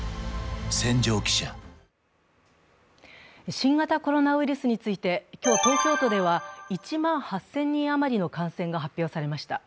新型コロナウイルスについて、今日東京都では１万８０００人余りの感染が発表されました。